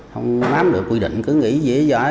không nắm được quy định cứ nghĩ dễ dãi là đồng ý